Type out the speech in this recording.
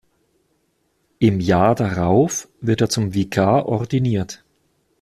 Im Jahr darauf wird er zum Vikar ordiniert.